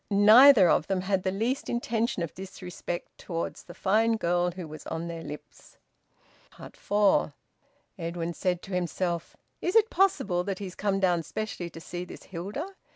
Neither of them had the least intention of disrespect towards the fine girl who was on their lips. FOUR. Edwin said to himself: "Is it possible that he has come down specially to see this Hilda?"